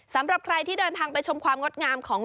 สำหรับใครที่เดินทางไปชมความงดงามของ